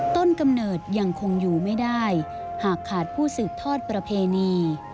กำเนิดยังคงอยู่ไม่ได้หากขาดผู้สืบทอดประเพณี